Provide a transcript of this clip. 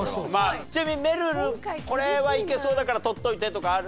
ちなみにめるるこれはいけそうだからとっておいてとかある？